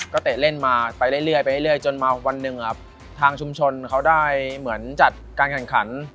ก็เตะเล่นไปไปเรื่อยไปจนเมื่อวัน๑ทางชุมชนเค้าได้เหมือนจัดการแข่งขัน